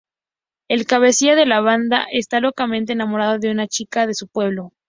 El cabecilla de la banda está locamente enamorado de una chica de su pueblo.